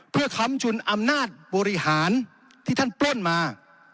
เพื่อค้ำชุนอำนาจบริหารที่ท่านปล้นมา